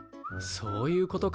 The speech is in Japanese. そういうことか。